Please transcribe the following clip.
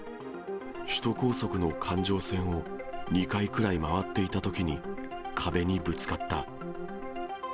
首都高速の環状線を２回くらい回っていたときに、壁にぶつかった。